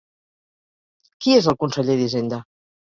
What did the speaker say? Qui és el conseller d'Hisenda?